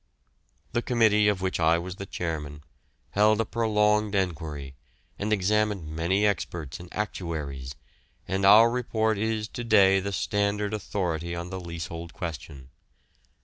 The committee, of which I was the chairman, held a prolonged enquiry, and examined many experts and actuaries, and our report is to day the standard authority on the leasehold question.